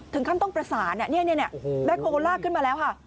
ถึงขั้นต้องประสานแบคโฮลากขึ้นมาแล้วค่ะ